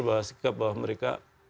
bahwa sikap bahwa mereka